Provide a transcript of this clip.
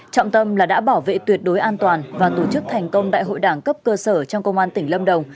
trọng tâm là đã bảo vệ tuyệt đối an toàn và tổ chức thành công đại hội đảng cấp cơ sở trong công an tỉnh lâm đồng